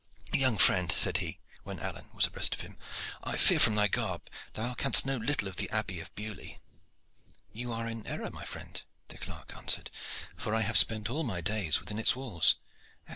"Young friend," said he, when Alleyne was abreast of him, "I fear from thy garb that thou canst know little of the Abbey of Beaulieu." "Then you are in error, friend," the clerk answered, "for I have spent all my days within its walls."